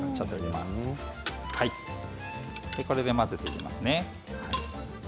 これで混ぜていきます。